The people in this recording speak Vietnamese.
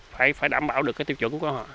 phải đảm bảo được cái tiêu chuẩn của họ